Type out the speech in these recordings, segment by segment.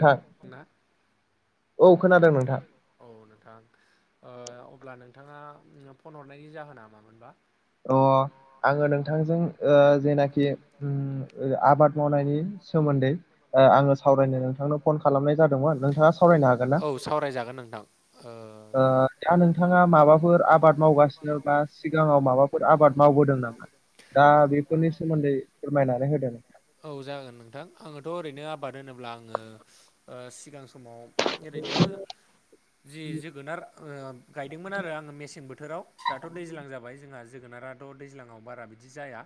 थां ना औ खोनादों नोंथां। औ नोंथां ओ अब्ला नोंथाङा फन हरनायनि जाहोना मामोनबा? अ' आङो नोंथांजों ओ जेनाखि [unintelligible] आबाद मावनायनि सोमोन्दै ओ आङो सावरायनो नोंथांनो फन खालामनाय जादोंमोन नोंथाङा सावरायनो हागोन ना औ सावरायजागोन नोंथां ओ दा नोंथाङा माबाफोर आबाद मावगासिनो बा सिगाङाव माबा फोर आबाद मावबोदों नामा दा बेफोरनि सोमोन्दै फोरमायनानै होदो औ जागोन नोंथां आङोथ' ओरैनो आबाद होनोब्ला आङो ओ सिगां समाव ओरैनो जि जोगोनार ओ गायदोंमोन आरो आङो मेसें बोथोराव दाथ' दैज्लां जाबाय जोंहा जोगोनाराथ' दैज्लाङाव बारा बिदि दि जाया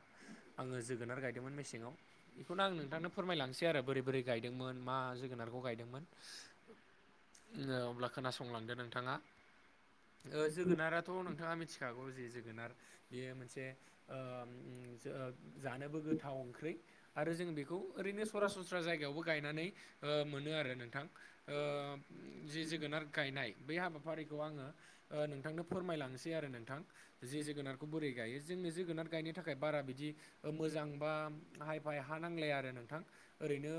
आंङो जोगोनार गायदोंमोन मसेंआव बेखौनो नोंथांनो फोरमायलांसै आरो बोरै बोरै गायदोंमोन मा जोगोनारखौ गायदोंमोन? अब्ला खोनासंलांदो नोंथाङा ओ जोगोनाराथ' नोंथाङा खागौ जि जोगोनार बेयो मोनसे [unintelligible] जानोबो गोथाव ओंख्रै। आरो जों बेखौ ओरैनो सरासनस्रा जायगायावबो गायनानै ओ मोनो आरो नोंथां। ओ जि जोगोनार गायनाय बै हाबाफारिखौ आङो ओ नोंथांनो फोरमायलांसै आरो नोंथां जि जोगोनारखौ बोरै गायो जोंनो जोगोनार गायनो थाखाय बारा बिदि मोजां बा हाय फाय हा नांलाया आरो नोंथां ओरैनो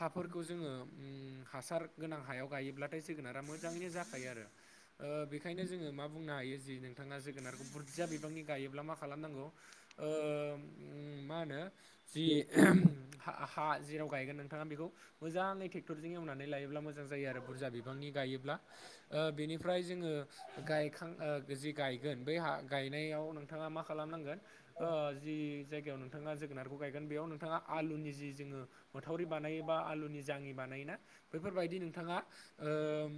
हाफोरखौ जोङो उम हासार गोनां हायाव गायोब्लाथाय जोगोनारा मोजाङैनो जाखायो आरो। ओ बेखायनो जोङो मा बुंनो हायो जि नों थाङा जोगोनारखौ बुरजा बिबांनि गायोब्ला मा खालामनांगौ ओ उ मा होनो जि हा हा जेराव गायगोन नोंथाङा बेखौ मोजाङै ट्रेक्टरजों एवनानै लायोब्ला मो जां जायो आरो बुरजा बिबांनि गायोब्ला ओ बेनिफ्राय जोङो गायखां ओ जि गायगोन बै हा गायनायाव नोंथाङा मा खालामनांगोन ओ जि जायगायाव नोंथाङा जोगोनारखौ गायगोन बेयाव नोंथ आलुनि जि जोङो मोथावरि बानायो बा आलुनि जाङि बानायोना बैफोरबायदि नोंथाङा ओम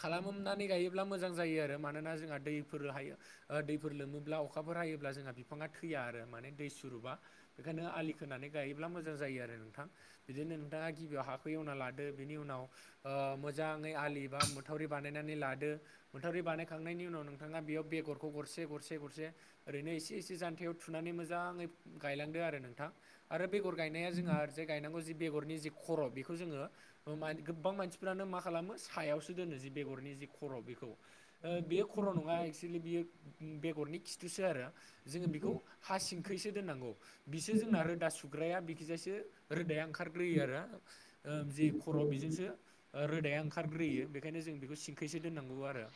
खालामोमनानै गायो ब्ला मोजां जायो आरो मानोना जोंहा दैफोर हायो ओ दैफोर लोमोब्ला अखाफोर हायोब्ला जोंहा बिफाङा थैया आरो माने दै सुरुबा बेखायनो आलि खोनानै गायोब्ला मोजां जायो आरो नोंथां। बिदिनो नोंथाङा गिबियाव हाखौ एवना लादो बिनि उनाव ओ मोजाङै आलि एबा माथावरि बानायनानै लादो। माथावरि बानायखांनायनि उनाव नोंथाङा बेयाव बेगरखौ गरसे गरसे गरसे ओरैनो एसे एसे जान्थायाव थुनानै मोजाङै गायलांदो आरो नोंथां। आरो बेगर गायनाया जोंहा ओरैजाय गायनांगौ जि बेगरनि जि खर' बेखौ जोङो ओ गोबां मानसि फोरानो मा खालामो सायावसो दोनो जि बेगरनि जि खर' बेखौ ओ बे खर' नङा ए क्सलि बियो बेगरनि खिथुसो आरो। जोङो बेखौ हा सिंखैसो दोननांगौ बिसो जोंना रो दा सुग्राया बिखिजायसो रोदाया ओंखारग्रोयो आरो ओ जे खर' बेजोंसो ओ रोदाया ओंखारग्रोयो बेखायनो जों बेखौ सिंखैसो दोननांगौ आरो।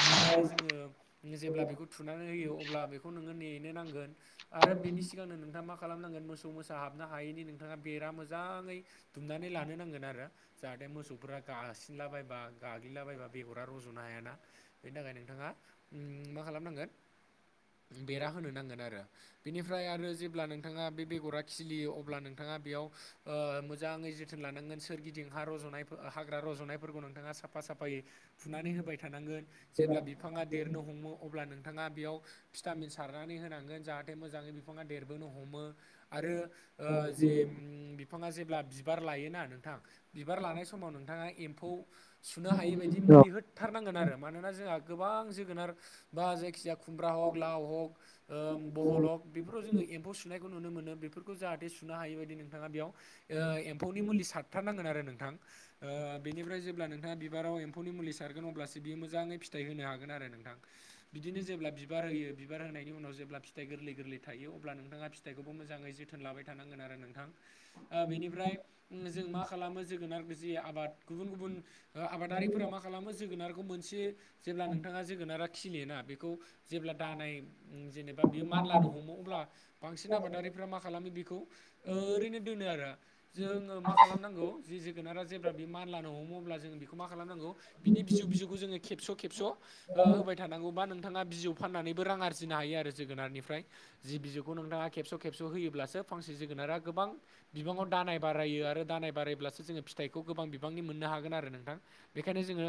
ओमफ्राय जोङो जेब्ला बेखौ थुनानै होयो अब्ला बेखौ नोङो नेनो नांगोन। आरो बेनि सिगांनो नोंथाङा मा खालामनांगोन मो सौ मोसा हाबनो हायैनि नोंथाङा बेरा मोजाङै दुमनानै लानो नांगोन आरो। जाहाथे मोसौफोरा गासिनलाबायबा गाग्लिलाबायबा बेगरा रजुनो हायाना बेनि थाखाय नोंथाङा। उम मा खालामनांगोन बेरा होनो नांगोन आरो। बेनिफ्राय आरो जेब्ला नोंथाङा बे बेगरा खिलियो अब्ला नोंथाङा बेयाव ओ मोजाङै जोथोन लानांगोन सोरगिदिं हा रज'नाय हाग्रा रज'नायफोरखौ नोंथाङा साफा साफायै फुनानै होबाय थानांगोन जेब्ला बिफाङा देरनो हमो अब्ला नोंथाङा बेयाव भिटामिन सारनानै होनांगोन जाहाथे मोजाङै बिफाङा देरबोनो हमो। आरो ओ जे उम बिफाङा जेब्ला बिबार लायोना नोंथां बिबार लानाय समाव नोंथाङा एम्फौ सुनो हायि बायदि औ मुलि होथारनांगोन आरो मानोना जोंहा गोबां जोगोनार बा जायखिजाया खुमब्रा हक लाव हक ओम बहल हग बेफोराव जोङो एम्फौ सुनायखौ नुनो मोनो। बेफोरखौ जाहाथे सुनो हायि बायदि नोंथाङा बेयाव ओ एम्फौनि मुलि सातथार नांगोन आरो नोंथां ओ बेनिफ्राय जेब्ला नोंथाङा बिबाराव एम फौनि मुलि सारगोन अब्लासो बियो मोजाङै फिथाइ होनो हागोन आरो नोंथां। बिदिनो जेब्ला बिबार होयो बिबार होनायनि उनाव जेब्ला फिथाइ गोरलै गोरलै थायो अब्ला नोंथाङा फिथखौबो मोजाङै जा जोथोन लाबाय थानांगोन आरो नोंथां ओ बेनिफ्राय उम जों मा खालामो जोगोनार जि आबाद गुबुन गुबुन आबादारिफोरा मा खालामो जोगोनारखौ मोनसे जेब्ला नोंथाङा जोगोनारा खिलियोना बेखौ जेब्ला दानाय जेनेबा बियो मानलानो अब्ला बांसिन आबादारि ओमफ्राय मा खालामो बेखौ ओरैनो दोनो आरो। जोङो मा खालामनांगौ जि जोगोनारा जेब्ला बे मान लानो हमोब्ला जों बेखौ मा खालामनांगौ बिनि बिजौ बिजौखौ जोङो खेबस' खेबस' ओ होबाय होबाय थानांगौ बा नोंथा बिजौ फानानैबो रां आरजिनो हायो जोगोनारनिफ्राय जि बिजौखौ नोंथांङा खेबस खेबस' होयोब्लासो फांसे जोगोनारा गोबां बिबाङाव दानाय बारायो आरो दानाय बारायब्लासो जोङो फि फिथाइखौ गोबां बिबांनि मोननो हागोन आरो नोंथां। बेखायनो जोङो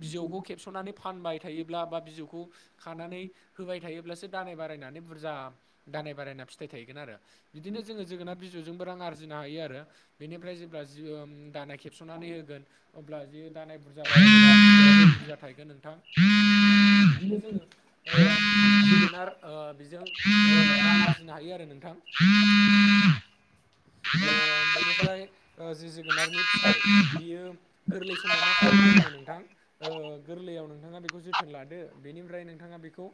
बिजौखौ खेबस'नानै फानबाय थायोब्ला बा बिजौखौ खानानै होबायथायोब्लासो दानाय बारायनानै बुरजा दानाय बारायना फिथाइ थायो। आरो बिदिनो जोंङो जोगोनार बिजौजोंबो रां आरजिनो हायो आरो बेनिफ्राय जेब्ला जि उम दानाय खेब हाबसननानै होगोन अब्ला जि दानाय बुरजा बारायब्ला फिथाइयाबो बुरजा थायगोन नोंथां। बिदिनो जोङो ओ जोगोनार ओ बेजों ओ रां आरजिनो हायो आरो नों [inaudible] ओ बेनिफ्राय ओ जि जोगोनारनि फिथाइ बियो गोरलै समाव मा खालामनांगौनो नोंथां ओ गोरलैयैआव नोंथाङा बेखौ जोथोन लादो बेनिफ्राइ नोंथाङा बेखौ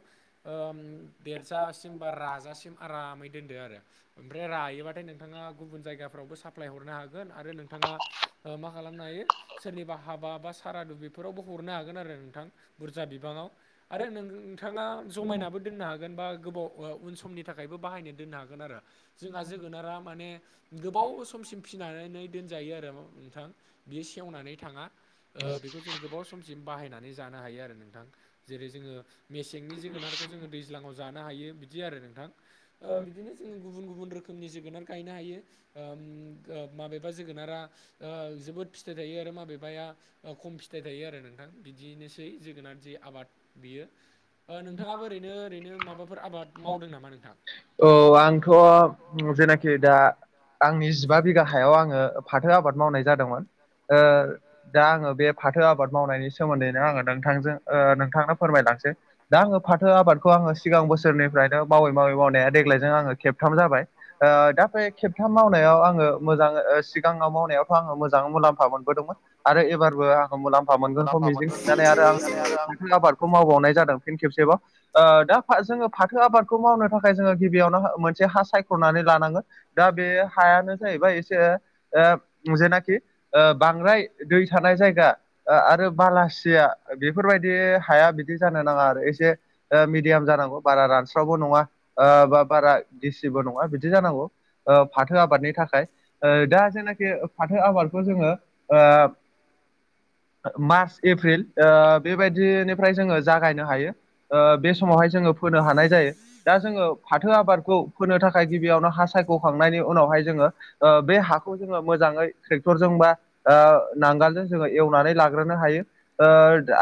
ओम देरजासिम बा राजासिम आरामै दोनदो आरो ओमफ्राय रायोबाथाय नोंथाङा गुबुन जायगाफ्रावबो साप्लाय हरनो हागोन आरो नोंथाङा ओ मा खालामनो हायो सोरनिबा हाबा बा सारादु बेफोरावबो हरनो हागोन आरो नोंथां बुरजा बिबाङाव। आरो नों नोंथाङा जमायनाबो दोननो हागोन बा गोबाव उन समनि थाखायबो बाहायनो दोननो हागोन आरो। जोंहा जोगोनारा माने गोबाव समसिम फिनानै दोनजायो आरो नोंथां। बियो सेवनानै थाङा ओ जों समसिम बाहायनानै जानो हायो आरो नोंथां। जेरै जोङो मेसेंनि जोगोनारखौ जोङो दैज्लाङाव जानो हायो बिदि आरो नोंथां। ओ बिदिनो जोंङो गुबुन- गुबुन रोखोमनि जोगोनार गायनो हायो। ओम ओ माबेबा जोगोनारा ओ जोबोद फिथाइ थायो आरो माबेबाया खम फिथाइ थायो आरो नोंथां बिदिनोसै जोगोनार जे आबाद बियो नोंथाङाबो ओरैनो ओरैनो माबाफोर आबाद मावदों नामा नोंथां? औ आंथ' जेनाखि दा आंनि जिबा बिगा हायाव आङो फाथो आबाद मावनाय जादोंमोन ओ दा आङो बे फाथो आबाद मावनायनि सोमोन्दैनो आङो नोंथांजों ओ नोंथांनो फोरमायलांसै। दा आङो फाथो आबादखौ आङो सिगां बोसोरनिफ्रायनो मावै मावै मावनाया देग्लायजों आङो खेबथाम जाबाय। ओ दा बे खेबथाम मावनायाव आङो मोजाङ ओ सिगाङाव मावनायावथ' आङो मोजांङै मुलाम्फा मोनबोदोंमोन। आरो एबारबो आं मुलाम्फा मोनगोनखौ मिजिंथिननानै आरो आं मथो आबादखौ मावबावनाय जादों फिन खेबसेबाव। ओ दा जोङो फाथो आबादखौ मावनो थाखाय जों गिबियावनो मोनसे हा सायख'नानै लानांगो दा बे हायानो जाहैबाय ओ जेनाखि ओ बांद्राय दै थानाय जायगा ओ आरो बालासिया बेफोरबायदि हाया बिदि जानो नाङा आरो एसे ओ मिडियाम जानांगौ बारा रानस्रावबो नङा ओ बा- बारा गिसिबो नङा बिदि जानांगौ ओ फाथो आबादनि थाखाय। ओ दा जेनाखि फाथो आबादखौ जोङो ओ मार्च, एप्रिल ओ बेबायदिनिफ्राय जोङो जागायनो हायो बे समावहाय जोङो फोनो हानाय जायो दा जोङो फाथो आबादखौ फोनो थाखाय गिबियावनो हा सायख'खांनायनि उनावहाय जोङो ओ बे हाखौ खौ मोजाङै ट्रेक्टरजों बा ओ नांगोलजों जोङो एवनानै लाग्रोनो हायो ओ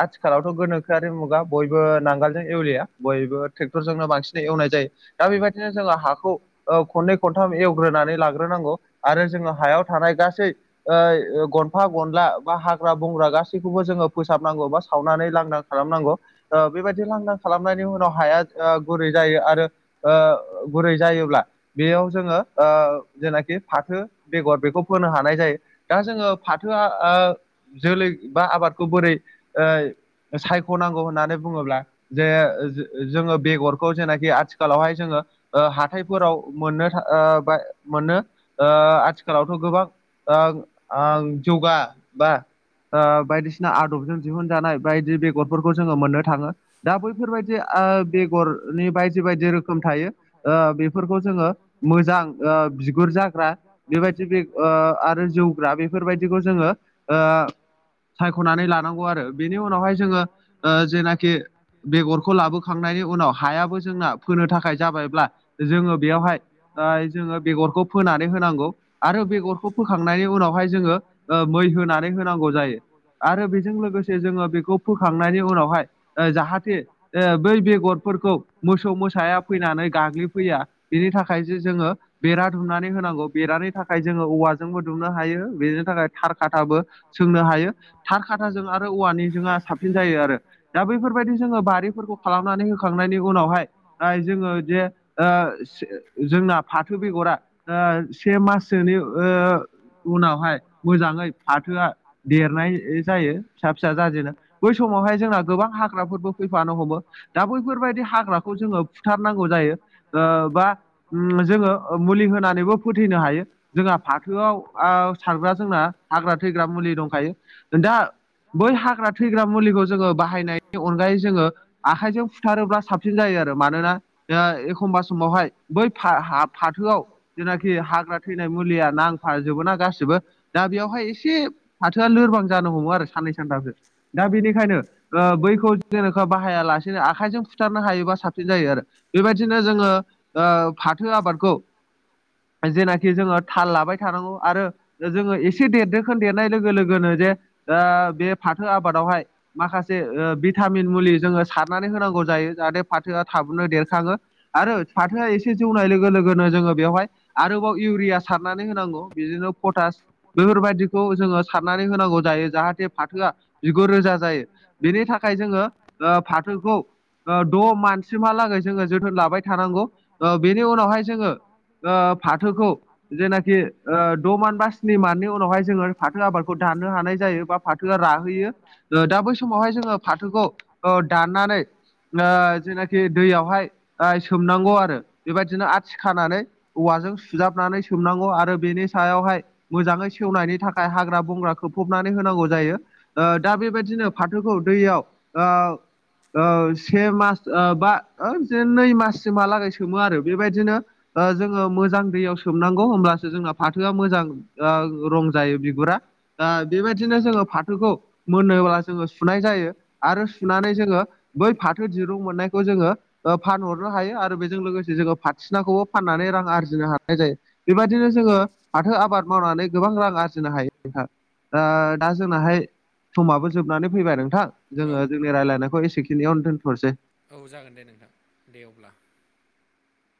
आथिखालावथ' गोनोखोआरि मुगा बयबो नांगालजों एवलिया बयबो ट्रेक्टरजोंनो बांसिनै एवनाय जायो दा बेबायदिनो जोङो हाखौ ओ खननै खनथाम एवग्रोनानै लाग्रोनांगौ आरो जोङो हायाव थानाय गासै ओ गनफा गनला बा हाग्रा बंग्रा गासै खौबो जोङो फोसाबनांगौ बा सावनानै लांदां खालामनांगौ ओ बेबायदि लांदां खालाम खालामनायनि उनाव हाया गुरै जायो आरो ओ गुरै जायोब्ला बेयाव जोङो ओ जेनाखि फाथो बेगर बेखौ फोनो हानाय जायो दा जोङो फाथोआ ओ जोलै बा आबादखौ बोरै ओ सायख'नांगौ होननानै बुङोब्ला जे जोङो बेगरखौ जेनाखि आथि आथिखालावहाय जोङो हाथाइफोराव मोननो था ओ मोननो ओ आथिखालावथ' गोबां ओ आं जौगा बा ओ बायदिसिना आदबजों दिहुनजानाय बायदि बेगरफोरखौ जोङो मोननो थाङो। दा बैफोरबायदि ओ बेगरनि बाय दि बायदि रोखोम थायो ओ बेफोरखौ जोङो मोजां ओ बिगुर जाग्रा बेबायदि बे ओ आरो जौग्रा बेफोरबायदिखौ जोङो ओ सायखनानै लानांगौ आरो बेनि उनावहाय जोङो ओ जेनाखि बेगरखौ लाबोखांनायनि उनाव हायाबो जोंना फोनो थाखाय जाबायब्ला जोङो बेयावहाय ओ जोङो बेगरखौ फोनानै होनांगौ आरो बेगरखौ फोखांनायनि उनावहाय जोङो ओ मै होनानै होनांगौ जायो। आरो बेजों लोगोसे जोङो बेखौ फोखांनायनि उनावहाय ओ जाहाथे ओ बै बेगरफोरखौ मोसौ मोसाया फैनानै गाग्लिफैया बिनि थाखाय जे जोङो बेरा दुमनानै होनांगौ बेरानि थाखाय जोङो औवाजोंबो दुमनो हायो बेनि थाखाय थार खाथाबो सोंनो हायो थार खाथाजों आरो औवानि जोंआ साबसिन जायो आरो दा बैफोरबायदि जोङो बारिफोरखौ खालामनानै होखांनायनि उनावहाय आय जोङो जे ओ से जोंना फाथो बेगरा ओ से माससोनि ओ उनावहाय मोजाङै फाथोआ देरनाय जायो फिसा फिसा जाजेनो बै समावहाय जोंना गोबां हाग्राफोरबो फैफानो हमो दा बैफोरबायदि हा हाग्राखौ जोङो फुथारनांगौ जायो ओ बा ओम जोङो ओ मुलि होनानैबो फोथैनो हायो जोंहा फाथोआव आ सारग्रा जोंना हाग्रा थैग्रा मुलि दंखायो नोंथां बै हाग्रा थैग्रा मुलिखौ जोङो बाहायनायनि अनगायै जोङो आखाइजों फुथारोब्ला साब सिन जायो आरो मानोना जोंहा एखमबा समावहाय बै फा हा फाथोआव जेनाखि हाग्रा थैनाय मुलिया नांफाजोबोना गासिबो दा बेयावहाय एसे फाथोआ लोरबां जानो हमो आरो साननै सानथामसो दा बेनिखायनो ओ बैखौ जेनखा बाहायालासेनो आखाइजों फुथ फुथारनो हायोबा साबसिन जायो आरो बेबायदिनो जोङो ओ फाथो आबादखौ जेनाखि जोङो थाल लाबाय थानांगौ आरो दा जोङो एसे देरदोंखोन देरनाय लोगो लोगोनो जे ओ बे फाथो आबादावहाय माखासे ओ भिटामिन मुलि जोङो सारनानै होनांगौ जायो जाहाथे फाथोआ थाबनो देरखाङो आरो फाथोआ एसे जौनाय लोगो लोगोनो जोङो बेवहाय आरोबाव इउरिया सारनानै होनांगौ बिजोंनो पटास बेफोरबायदिखौ जोङो सारनानै होनांगौ जायो जाहाथे फाथोआ बिगुर रोजा जायो। बेनि थाखाय जोङो ओ फाथोखौ ओ द' मानसिमहालागै जोङो जोथोन लाबाय थानांगौ ओ बेनि उनावहाय जोङो ओ फाथोखौ जेनाखि ओ द' मान बा स्नि माननि उनावहाय जोङो फाथो आबादखौ दानो हानाय जायो बा फाथोआ राहैयो ओ दा बै समावहाय जोङो फाथोखौ ओ दाननानै नो जेनाखि दैयावहाय ओइ सोमनांगौ आरो बेबायदिनो आथि खानानै औवाजों सुजाबनानै सोमनांगौ आरो बेनि सायावहाय मोजाङै सेवनायनि थाखाय हाग्रा बंग्रा खोबफबनानै होनांगौ जायो ओ दा बेबायदिनो फाथोखौ दैयाव ओ ओ से मास ओ बा ओ जे नै माससिमहालागै सोमो आरो बेबायदिनो ओ जोङो मोजां दैयाव सोमनांगौ होमब्लासो जोंना फाथोआ मोजां ओ रं जायो बिगुरा दा बेबायदिनो जोङो फाथोखौ मोनोब्ला जोङो सुनाय जायो आरो सुनानै जोङो बै फाथो दिरुं मोननायखौ जोङो ओ फानहरनो हायो आरो बेजों लोगोसे जोङो फाथिनाखौबो फाननानै रां आरजिनो हानाय जायो। बेबायदिनो जोङो फाथो आबाद मावनानै गोबां रां आरजिनो हायो नोंथां ओ दा जोंनाहाय समाबो जोबनानै फैबाय नोंथां औ जोङो जोंनि रायलायनायखौ एसेखिनियावनो दोनथ'नोसै औ जागोन दे नोंथां दे अब्ला